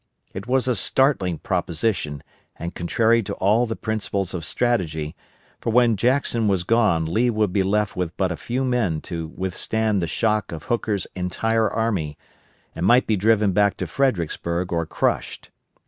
It was a startling proposition and contrary to all the principles of strategy, for when Jackson was gone Lee would be left with but a few men to withstand the shock of Hooker's entire army, and might be driven back to Fredericksburg or crushed.